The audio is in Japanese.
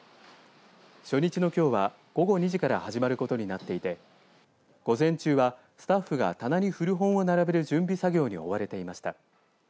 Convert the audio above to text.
初日のきょうは午後２時から始まることになっていて午前中はスタッフが棚に古本を並べる準備作業に追われていました。